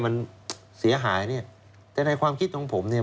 มันเสียหายเนี่ยแต่ในความคิดของผมเนี่ย